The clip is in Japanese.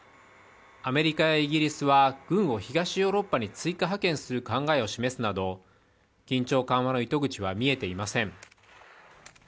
アメリカやイギリスは軍を東ヨーロッパに追加派遣する考えを示すなど、緊張緩和の糸口は見えていません。